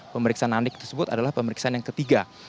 pemeriksaan andik tersebut adalah pemeriksaan yang ketiga